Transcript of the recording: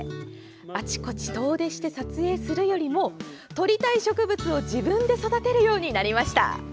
あちこち遠出して撮影するよりも撮りたい植物を自分で育てるようになりました。